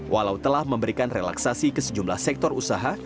walau telah memberikan relaksasi ke sejumlah sektor usaha